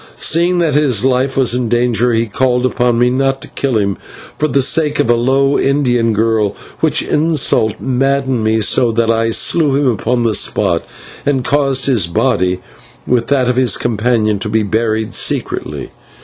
Seeing that his life was in danger, he called upon me not to kill him for the sake of a low Indian girl, which insult maddened me so that I slew him upon the spot, and caused his body, with that of his companion, to be buried secretly.